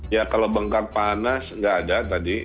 ya kalau bengkar panas nggak ada